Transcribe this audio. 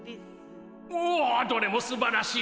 おおどれもすばらしいね。